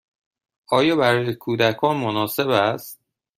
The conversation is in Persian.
آیا برای کودکان مناسب است؟